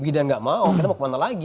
gibran nggak mau kita mau kemana lagi